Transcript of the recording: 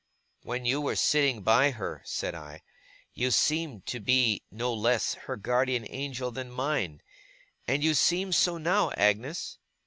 'When you were sitting by her,' said I, 'you seemed to be no less her guardian angel than mine; and you seem so now, Agnes.